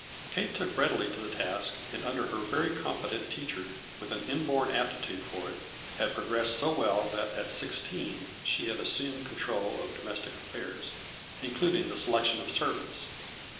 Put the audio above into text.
Kate took readily to the task, and under her very competent teacher, with an inborn apti tude for it, had progressed so well that at six teen she had assumed control of domestic af tairs, including the selection of servants.